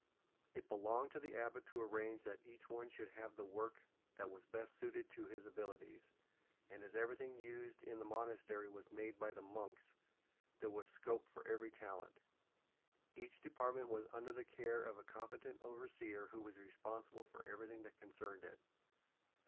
It belonged to the Abbot to arrange that each one should have the work that was best suited to his abilities, and as everything used in the monastery was made by the monks, there was scope for every talent. Each department was under the care of a competent overseer who was responsible for everything that concerned it.